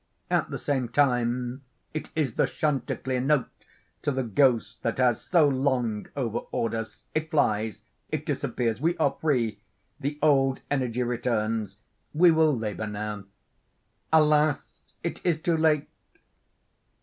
At the same time, it is the chanticleer note to the ghost that has so long overawed us. It flies—it disappears—we are free. The old energy returns. We will labor now. Alas, it is too late!